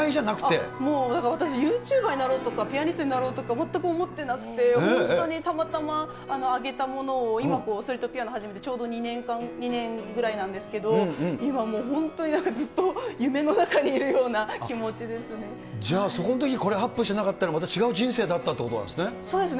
もう、だから私、ユーチューバーになろうとかピアニストになろうとか全く思ってなくて、本当にたまたま上げたものを今、ストリートピアノ始めてちょうど２年ぐらいなんですけど、今もう、本当になんかずっと夢の中にいるじゃあ、そこのときこれアップしてなかったら、そうですね。